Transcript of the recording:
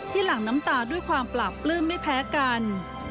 หลั่งน้ำตาด้วยความปราบปลื้มไม่แพ้กัน